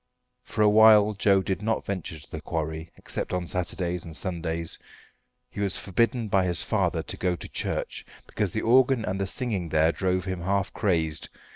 For a while Joe did not venture to the quarry except on Saturdays and Sundays. He was forbidden by his father to go to church, because the organ and the singing there drove him half crazed.